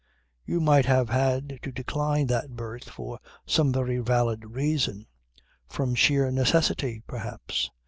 You might have had to decline that berth for some very valid reason. From sheer necessity perhaps.